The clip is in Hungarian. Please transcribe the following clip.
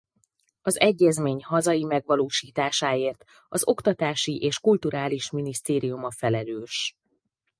Az Egyezmény hazai megvalósításáért az Oktatási és Kulturális Minisztérium a felelős.